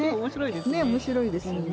面白いですね。